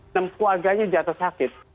enam keluarganya jatuh sakit